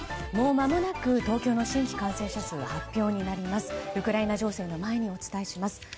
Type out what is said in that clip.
もうまもなく東京の新規感染者数発表になります。